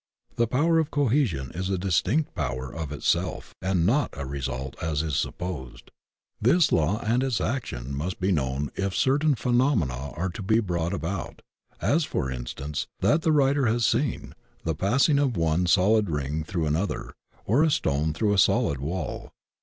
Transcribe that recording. The power of Cohesion is a distinct power of itself, and not a result as is supposed. This law and its ac tion must be known if certain phenomena are to be brought about, as, for instance, what the writer has seen, the passing of one solid ring through an other, or a stone through a solid wall.